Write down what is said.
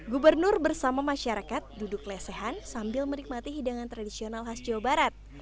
gubernur bersama masyarakat duduk lesehan sambil menikmati hidangan tradisional khas jawa barat